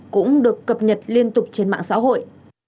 cũng được cập nhật liên tục trên mạng xã hội